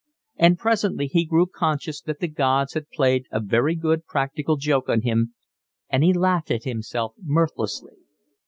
And presently he grew conscious that the gods had played a very good practical joke on him, and he laughed at himself mirthlessly.